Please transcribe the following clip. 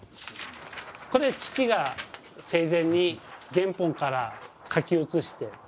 これ父が生前に原本から書き写して。